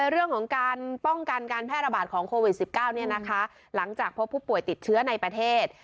เรื่องของการป้องกันการแพร่ระบาดของโควิด๑๙หลังจากพบผู้ป่วยติดเชื้อในประเทศ